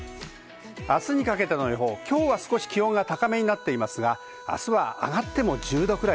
明日にかけての予報、今日は少し気温が高めになっていますが、明日は上がっても１０度くらい。